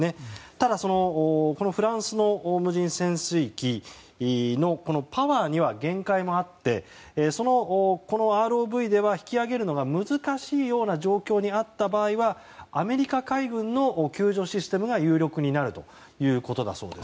ただ、このフランスの無人潜水機のパワーには限界もあって、このＲＯＶでは引き揚げるのが難しいような状況にあった場合はアメリカ海軍の救助システムが有力になるということだそうです。